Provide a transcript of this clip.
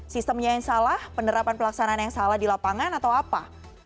sistemnya yang salah penerapan pelaksanaan yang salah di lapangan atau apa